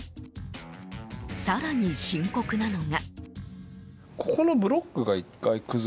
更に深刻なのが。